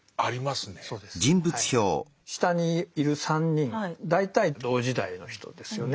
下にいる３人大体同時代の人ですよね。